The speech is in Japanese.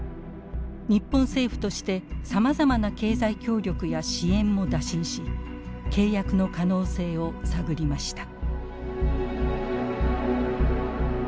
日本政府としてさまざまな経済協力や支援も打診し契約の可能性を探りました。